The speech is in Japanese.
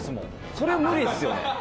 そりゃ無理ですよね。